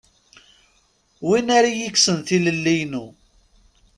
Win ara iyi-ikksen tilelli-inu.